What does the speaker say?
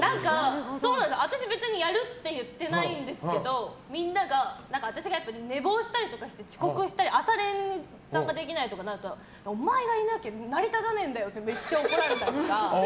私、別にやるって言ってないんですけどみんなが私が寝坊したりとかして遅刻したり朝練に参加できないとなるとお前がいなきゃ成り立たねえんだよってめっちゃ怒られたりとか。